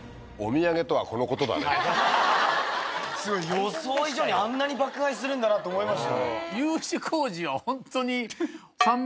予想以上にあんなに爆買いするんだなと思いましたよ。